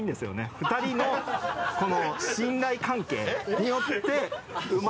２人のこの信頼関係によってえっ？